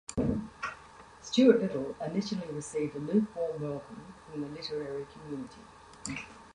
"Stuart Little" initially received a lukewarm welcome from the literary community.